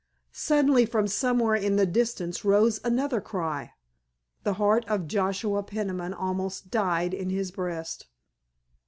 Suddenly from somewhere in the distance rose another cry. The heart of Joshua Peniman almost died in his breast.